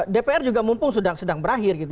dpr juga mumpung sedang berakhir gitu